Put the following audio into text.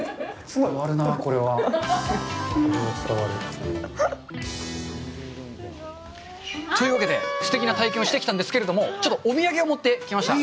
伝わるなあ、これは。というわけで、すてきな体験をしてきたんですけれども、ちょっとお土産を持ってきました！